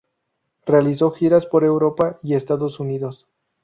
Realizó giras por Europa y Estados Unidos.